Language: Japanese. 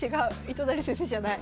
糸谷先生じゃない。